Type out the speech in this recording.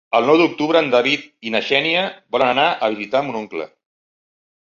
El nou d'octubre en David i na Xènia volen anar a visitar mon oncle.